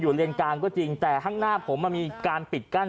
เลนกลางก็จริงแต่ข้างหน้าผมมันมีการปิดกั้น